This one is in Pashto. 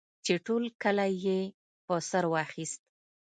چې ټول کلی یې په سر واخیست.